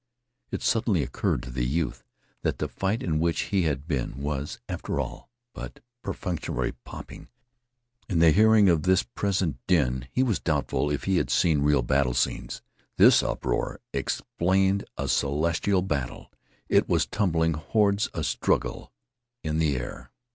It suddenly occurred to the youth that the fight in which he had been was, after all, but perfunctory popping. In the hearing of this present din he was doubtful if he had seen real battle scenes. This uproar explained a celestial battle; it was tumbling hordes a struggle in the air.